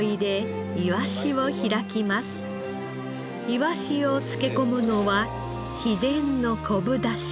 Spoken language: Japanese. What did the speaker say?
いわしを漬け込むのは秘伝の昆布出汁。